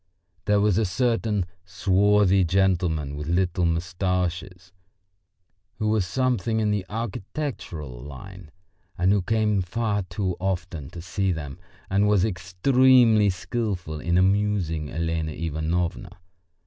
There was a certain swarthy gentleman with little moustaches who was something in the architectural line, and who came far too often to see them, and was extremely skilful in amusing Elena Ivanovna.